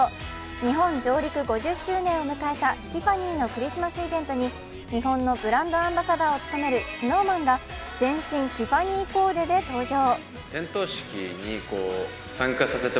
日本上陸５０周年を迎えたティファニーのクリスマスイベントに日本のブランドアンバサダーを務めるＳｎｏｗＭａｎが全身ティファニーコーデで登場。